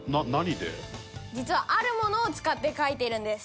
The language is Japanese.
実はあるものを使って描いているんです。